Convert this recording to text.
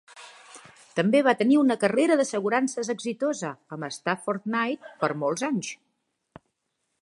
També va tenir una carrera d'assegurances exitosa amb Stafford Knight per molts anys.